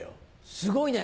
すごいね。